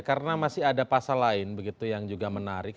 karena masih ada pasal lain begitu yang juga menarik